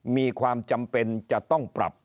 มีความจำเป็นจะต้องปรับ